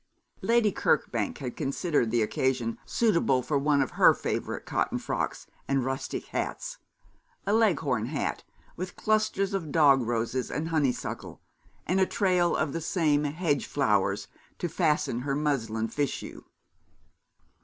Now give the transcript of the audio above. Lady Kirkbank had considered the occasion suitable for one of her favourite cotton frocks and rustic hats a Leghorn hat, with clusters of dog roses and honeysuckle, and a trail of the same hedge flowers to fasten her muslin fichu.